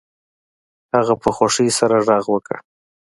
هغه په خوښۍ سره غږ وکړ